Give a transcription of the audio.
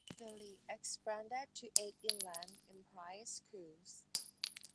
The league expanded to eight Inland Empire schools.